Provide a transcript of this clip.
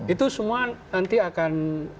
itu semua nanti akan